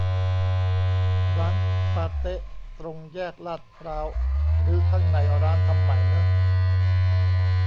ร้านปาเต๊ะตรงแยกลาดพร้าวรื้อข้างในร้าน ทำใหม่เนอะ